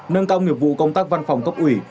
nâng cao nghiệp vụ công tác văn phòng cấp ủy